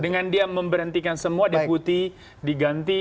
dengan dia memberhentikan semua deputi diganti